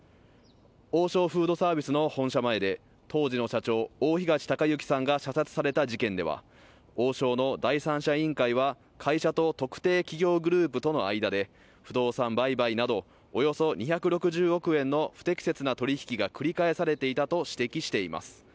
王将フードサービスの本社前で当時の社長大東隆行さんが射殺された事件では王将の第三者委員会は会社と特定企業グループとの間で不動産売買などおよそ２６０億円の不適切な取引が繰り返されていたと指摘しています